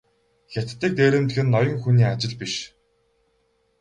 Хятадыг дээрэмдэх нь ноён хүний ажил биш.